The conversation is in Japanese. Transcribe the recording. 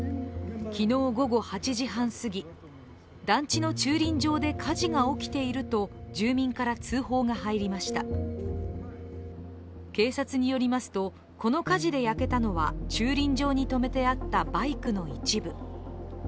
昨日午後８時半すぎ、団地の駐輪場で火事が起きていると住民から通報が入りました警察によりますと、この火事で焼けたのは駐輪場に止めてあったバイクの一部。